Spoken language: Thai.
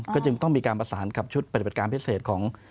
ก็จึงต้องมีการประสานกับชุดปฏิบัติการพิเศษของ